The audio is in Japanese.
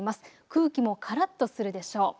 空気もからっとするでしょう。